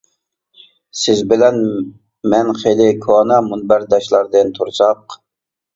سىز بىلەن مەن خىلى كونا مۇنبەرداشلاردىن تۇرساق.